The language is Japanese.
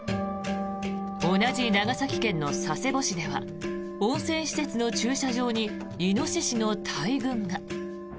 同じ長崎県の佐世保市では温泉施設の駐車場にイノシシの大群が。